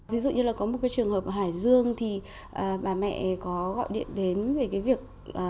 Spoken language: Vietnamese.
ví dụ như là có một cái trường hợp ở hải dương thì bà mẹ có gọi điện đến về cái việc